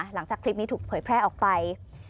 หลังจากคลิปนี้ถูกเผยแพร่ออกไป